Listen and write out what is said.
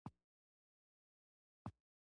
چین نن ورځ یو مثال دی.